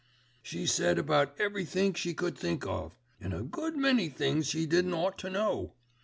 She said about every think she could think of, and a good many things she didn't ought to know.